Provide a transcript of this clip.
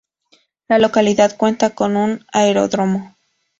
La localidad cuenta con un aeródromo.